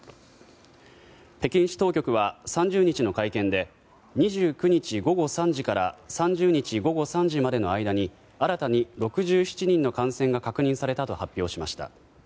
北京市当局は３０日の会見で２９日午後３時から３０日午後３時までの間に新たに６７人の感染が確認されたと発表しました。